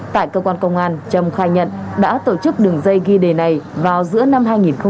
tại cơ quan công an trâm khai nhận đã tổ chức đường dây ghi đề này vào giữa năm hai nghìn hai mươi ba